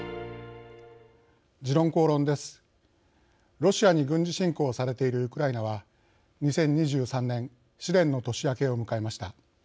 ロシアに軍事侵攻されているウクライナは２０２３年試練の年明けを迎えました。